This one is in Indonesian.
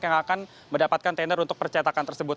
yang akan mendapatkan tender untuk percetakan tersebut